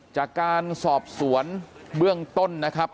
จากการสอบสวนเบื้องต้นนะครับ